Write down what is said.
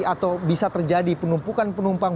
atau bisa terjadi penumpukan penumpang